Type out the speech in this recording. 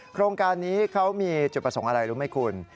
โครงการนี้เขามีจุดประสงค์อะไรรู้ไหมคุณ